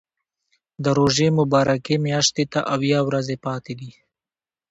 د روژې مبارکې میاشتې ته اویا ورځې پاتې دي.